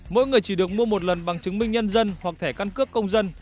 mỗi người chỉ được mua một lần bằng chứng minh nhân dân hoặc thẻ căn cước công dân